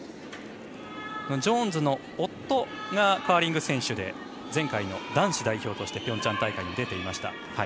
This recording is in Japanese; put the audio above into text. ジョーンズの夫がカーリング選手で前回の男子代表としてピョンチャン大会に出ていました。